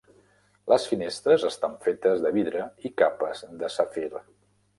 Les finestres estan fetes de vidre i capes de safir.